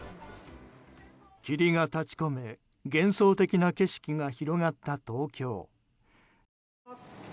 霧が立ち込め幻想的な景色が広がった東京。